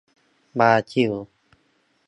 บราซิล